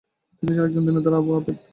তিনি ছিলেন একজন দীনদার এবং আবেদ।